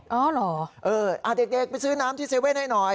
อ๋อเหรอเออเด็กไปซื้อน้ำที่๗๑๑ให้หน่อย